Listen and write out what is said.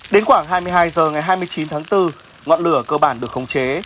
đến khoảng hai mươi hai h ngày hai mươi chín tháng bốn ngọn lửa cơ bản được khống chế